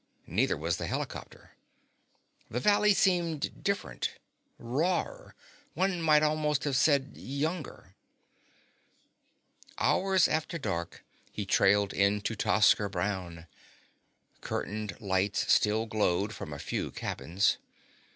Neither was the helicopter. The valley seemed different, rawer one might almost have said younger. Hours after dark he trailed into Tosker Brown. Curtained lights still glowed from a few cabins.